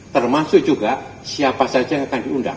termasuk juga siapa saja yang akan diundang